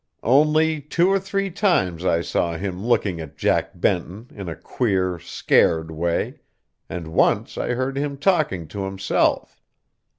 Only, two or three times I saw him looking at Jack Benton in a queer, scared way, and once I heard him talking to himself.